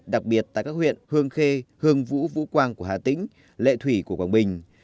đặc biệt tại các huyện hương khê hương vũ quang của hà tĩnh lệ thủy của quảng bình